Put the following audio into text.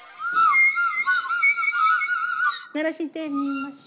鳴らしてみましょ。